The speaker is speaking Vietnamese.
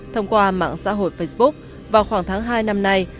thông qua mạng xã hội facebook vào khoảng tháng hai năm nay